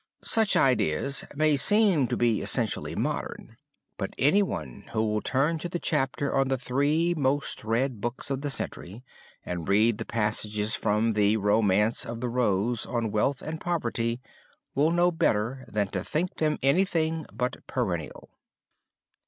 Such ideas may seen to be essentially modern, but anyone who will turn to the chapter on The Three Most Read Books of the Century and read the passages from the "Romance of the Rose" on wealth and poverty, will know better than to think them anything but perennial.